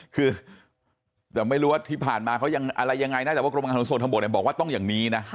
คือแต่ไม่รู้ว่าที่ผ่านมาเขายังอะไรยังไงนะแต่ว่ากรมการขนส่งทางบกบอกว่าต้องอย่างนี้นะ